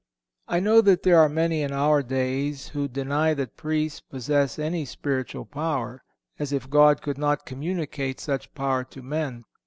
(505) I know that there are many in our days who deny that Priests possess any spiritual power—as if God could not communicate such power to men.